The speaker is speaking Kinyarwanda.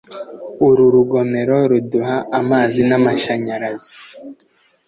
uru rugomero ruduha amazi n'amashanyarazi